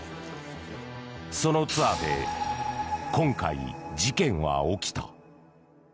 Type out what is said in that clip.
そのツアーで今回、事件は起きた。